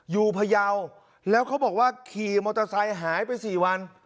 พยาวแล้วเขาบอกว่าขี่มอเตอร์ไซค์หายไป๔วัน